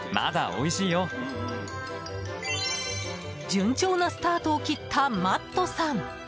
順調なスタートを切ったマットさん。